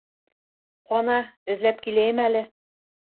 Ҡана, эҙләп киләйем әле.